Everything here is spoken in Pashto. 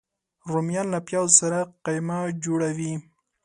رومیان له پیازو سره قیمه جوړه وي